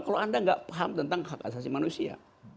kalau anda nggak paham tentang hak asasi manusia